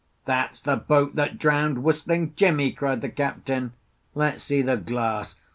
"That's the boat that drowned Whistling Jimmie!" cried the Captain; "let's see the glass.